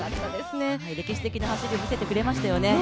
歴史的な走りを見せてくれましたよね。